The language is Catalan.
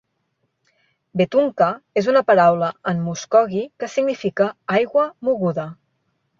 "Wetumka" és una paraula en muskogi que significa "aigua moguda".